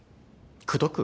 口説く？